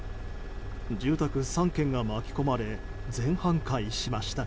住宅３軒が巻き込まれ全半壊しました。